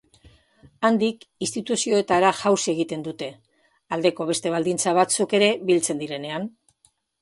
Handik instituzioetara jauzi egiten dute, aldeko beste baldintza batzuk ere biltzen direnean.